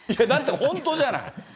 だって、本当じゃない。